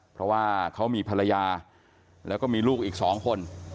เพราะว่าเขามีภรรยาแล้วก็มีลูกอีก๒คน